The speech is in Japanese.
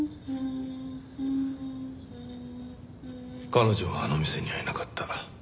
彼女はあの店にはいなかった。